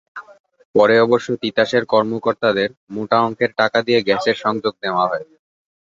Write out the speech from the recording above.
পরে অবশ্য তিতাসের কর্মকর্তাদের মোটা অঙ্কের টাকা দিয়ে গ্যাসের সংযোগ নেওয়া হয়।